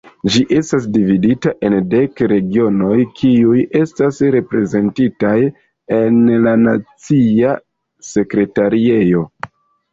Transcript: Ĝi estas dividita en dek regionoj kiuj estas reprezentitaj en la nacia sekretariejo.